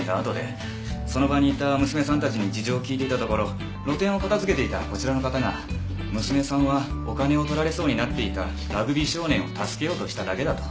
その場にいた娘さんたちに事情を聞いていたところ露店を片付けていたこちらの方が娘さんはお金を取られそうになっていたラグビー少年を助けようとしただけだと。